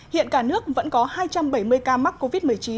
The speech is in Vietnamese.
hiện cả nước vẫn có hai trăm bảy mươi ca mắc covid một mươi chín